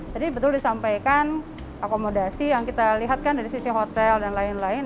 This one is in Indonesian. jadi betul disampaikan akomodasi yang kita lihat kan dari sisi hotel dan lain lain